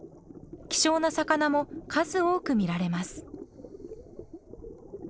希少な魚も数多く見られます。